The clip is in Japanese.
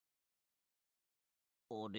あれ？